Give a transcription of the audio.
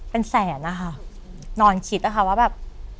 เป็นแสนนะคะนอนคิดนะคะว่าแบบ